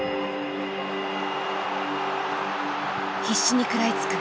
必死に食らいつく。